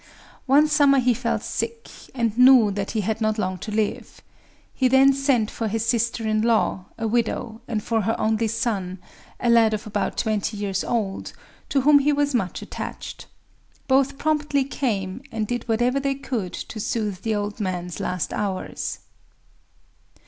One summer he fell sick, and knew that he had not long to live. He then sent for his sister in law, a widow, and for her only son,—a lad of about twenty years old, to whom he was much attached. Both promptly came, and did whatever they could to soothe the old man's last hours.